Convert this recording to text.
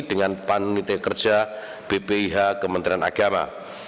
dengan panitia kerja bpih kementerian agama